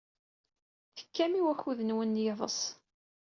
Tekkam i wakud-nwen n yiḍes.